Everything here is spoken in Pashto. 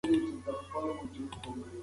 اندېښنه شته چې میلاټونین د زیان سبب شي.